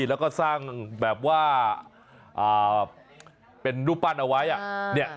แล้วก็สร้างแบบว่าเป็นรูปปั้นเอาไว้